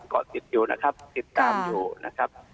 ก็ติดอยู่นะครับติดตามอยู่นะครับ